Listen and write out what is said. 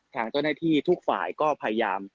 ทางเจ้าหน้าที่ทุกฝ่ายก็พยายาม